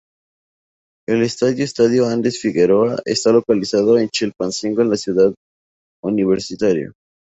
El Estadio Estadio Andres Figueroa está localizado en Chilpancingo en la Ciudad Universitaria.